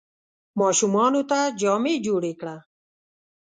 ماشومانو ته جامې جوړي کړه !